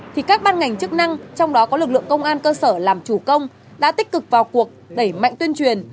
thì các ban ngành chức năng trong đó có lực lượng công an cơ sở làm chủ công đã tích cực vào cuộc đẩy mạnh tuyên truyền